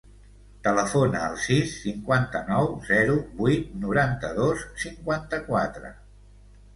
Telefona al sis, cinquanta-nou, zero, vuit, noranta-dos, cinquanta-quatre.